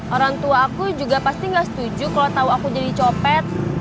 orang tua aku juga pasti gak setuju kalau tahu aku jadi copet